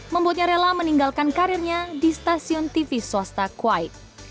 membuatnya rela meninggalkan karirnya di stasiun tv swasta kuwait